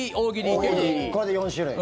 これで４種類。